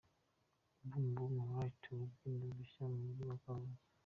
Boom Boom Nights, urubyiniro rushya mu mujyi wa Karongi.